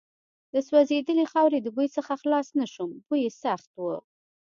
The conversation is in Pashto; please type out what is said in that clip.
د سوځېدلې خاورې د بوی څخه خلاص نه شوم، بوی یې سخت و.